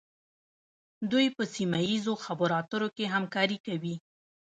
دوی په سیمه ایزو خبرو اترو کې همکاري کوي